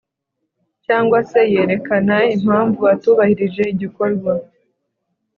cyangwa se yerekana impamvu atubahirije igikorwa